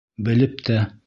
Белеп тә...